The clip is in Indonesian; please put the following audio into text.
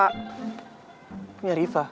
ini punya riva